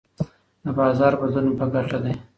د بازار بدلون مې په ګټه دی.